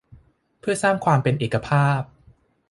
เพื่อสร้างความเป็นเอกภาพ